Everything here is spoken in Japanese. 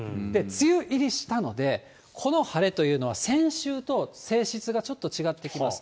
梅雨入りしたので、この晴れというのは、先週と性質がちょっと違ってきます。